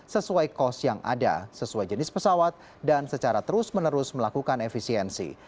sesuai kos yang ada sesuai jenis pesawat dan secara terus menerus melakukan efisiensi